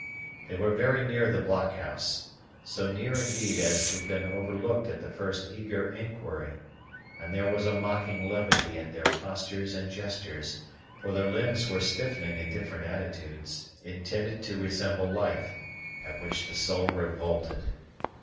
They were very near the blockhouse, so near indeed as to have been overlooked at the first eager inquiry, and there was a mocking levity in their postures and gestures, for their limbs were stiffening in different attitudes, intended to resemble life, at which the soul revolted.